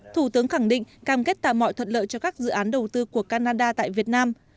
thủ tướng khẳng định cam kết tạo mọi thuận lợi cho các dự án đầu tư của canada tại việt nam